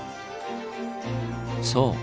そう！